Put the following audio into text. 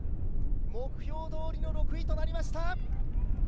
目標どおりの６位となりました。